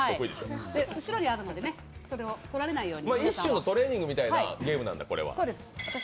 後ろにあるので、それを取られないように。